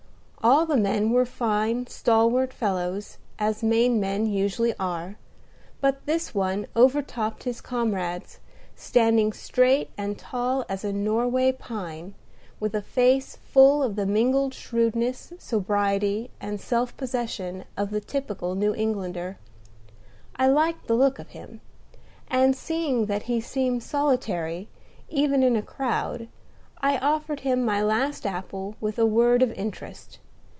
All the men were fine, stalwart fellows, as Maine men usually are; but this one over topped his comrades, standing straight and tall as a Norway pine, with a face full of the mingled shrewdness, sobriety, and self possession of the typical New Englander. I liked the look of him; and, seeing that he seemed solitary, even in a crowd, I offered him my last apple with a word of interest.